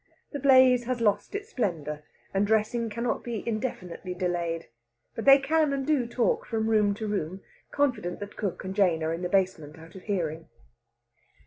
The blaze has lost its splendour, and dressing cannot be indefinitely delayed. But they can and do talk from room to room, confident that cook and Jane are in the basement out of hearing.